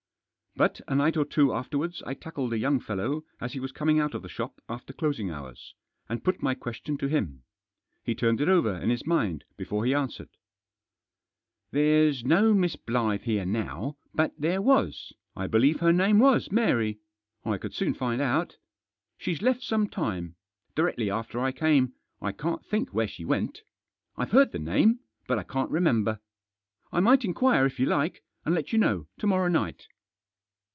But a night or two afterwards I tackled a young fellow as he was coming out of the shop after closing hours, and put my question to him. He turned it over in his mind before he answered. 19* Digitized by 292 THE JOSS. " There's no Miss Blyth here now, but there was. I believe her name was Mary. I could soon find out. She's left some time ; directly after I came. I can't think where she went I've heard the name, but I can't remember. I might inquire if you like, and let you know to morrow night."